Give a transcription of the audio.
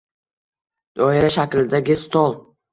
Doira shaklidagi stol